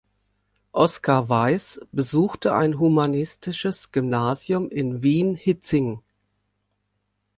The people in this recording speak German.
Oskar Weihs besuchte ein humanistisches Gymnasiums in Wien-Hietzing.